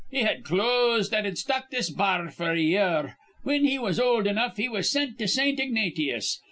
He had clothes that'd stock this ba ar f'r a year. Whin he was old enough, he was sint to Saint Ignatyous.